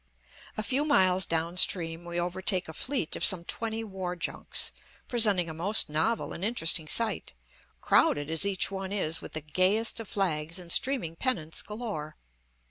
A few miles down stream we overtake a fleet of some twenty war junks, presenting a most novel and interesting sight, crowded as each one is with the gayest of flags and streaming pennants galore.